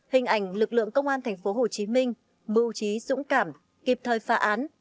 hình ảnh lực lượng công an tp hcm mưu trí dũng cảm kịp thời phá án